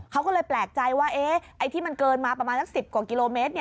เขาก็เลยแปลกใจว่าไอ้ที่มันเกินมาประมาณสัก๑๐กว่ากิโลเมตร